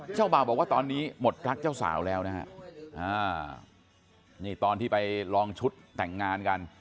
เจ้าบ่าวบอกว่าตอนนี้หมดรักเจ้าสาวแล้วนะฮะนี่ตอนที่ไปลองชุดแต่งงานกัน